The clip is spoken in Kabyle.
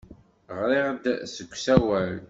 Ɣriɣ-d deg usawal.